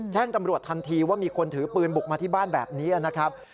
แจ้งตำรวจทันทีว่ามีคนถือปืนบุกมาที่บ้านแบบนี้นะครับ